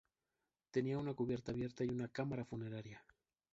Tenía una cubierta abierta y una cámara funeraria.